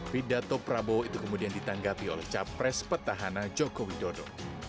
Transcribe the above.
vidato prabowo itu kemudian ditanggapi oleh capres petahana jokowi dodo